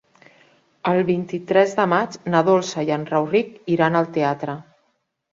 El vint-i-tres de maig na Dolça i en Rauric iran al teatre.